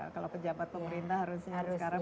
kalau pejabat pemerintah harusnya ada sekarang